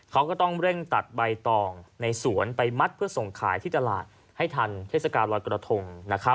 เขาก็ต้องเร่งตัดใบตองในสวนไปมัดเพื่อส่งขายที่ตลาดให้ทันเทศกาลรอยกระทง